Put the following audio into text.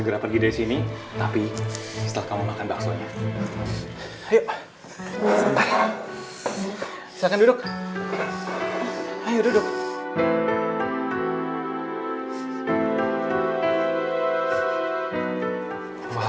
butuh waktu yang tepat untuk naya tahu semuanya